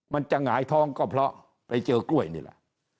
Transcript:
จะหงายท้องก็เพราะไปเจอกล้วยนี่แหละ